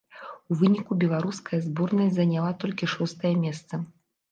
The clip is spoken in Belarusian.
У выніку беларуская зборная заняла толькі шостае месца.